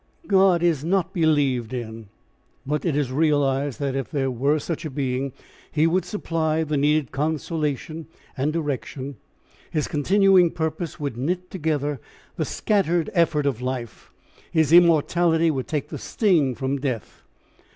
God is not believed in, but it is realised that if there were such a being he would supply the needed consolation and direction, his continuing purpose would knit together the scattered effort of life, his immortality would take the sting from death.